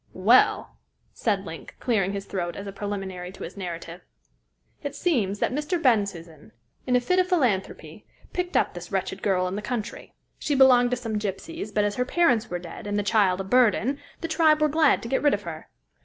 "Well," said Link, clearing his throat as a preliminary to his narrative, "it seems that Mr. Bensusan, in a fit of philanthropy, picked up this wretched girl in the country. She belonged to some gypsies, but as her parents were dead, and the child a burden, the tribe were glad to get rid of her.